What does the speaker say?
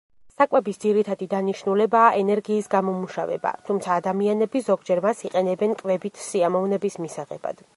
საკვების ძირითადი დანიშნულებაა ენერგიის გამომუშავება, თუმცა ადამიანები ზოგჯერ მას იყენებენ კვებით სიამოვნების მისაღებად.